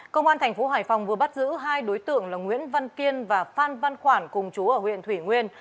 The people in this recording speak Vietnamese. công an thành phố hải phòng vừa bắt giữ hai đối tượng là nguyễn văn kiên và phan văn khoản cùng chú ở huyện thủy nguyên